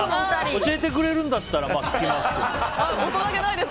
教えてくれるんだったら聞きますけど。